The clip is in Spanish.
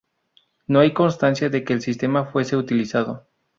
No hay constancia de que el sistema fuese utilizado.